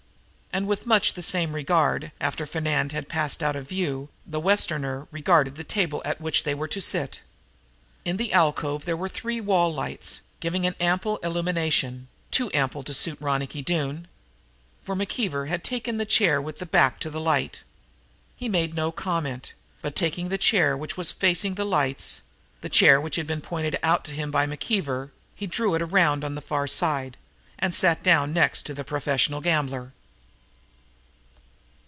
And, with much the same regard, after Fernand had passed out of view, the Westerner regarded the table at which they were to sit. In the alcove were three wall lights, giving an ample illumination too ample to suit Ronicky Doone. For McKeever had taken the chair with the back to the light. He made no comment, but, taking the chair which was facing the lights, the chair which had been pointed out to him by McKeever, he drew it around on the far side and sat down next to the professional gambler.